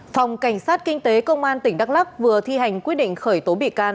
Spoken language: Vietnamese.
phòng cảnh sát kinh tế công an tỉnh đắk lắc vừa thi hành quyết định khởi tố bị can